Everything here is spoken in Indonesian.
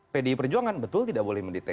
pdi perjuangan betul tidak boleh mendeteksi